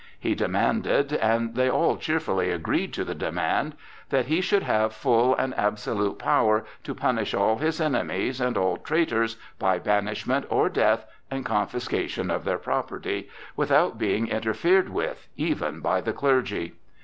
He demanded—and they all cheerfully agreed to the demand—that he should have full and absolute power to punish all his enemies and all traitors by banishment or death and confiscation of their property, without being interfered with, even by the clergy.